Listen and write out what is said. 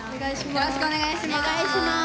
よろしくお願いします。